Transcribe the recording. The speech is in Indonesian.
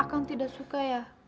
akang tidak suka ya